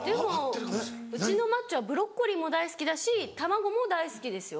でもうちのマッチョはブロッコリーも大好きだし卵も大好きですよ。